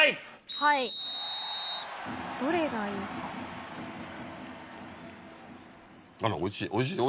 はいどれがいいか。